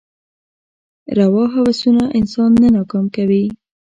روا هوسونه انسان نه ناکام کوي.